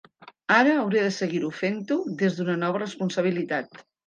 Ara hauré de seguir fent-ho des d’una nova responsabilitat.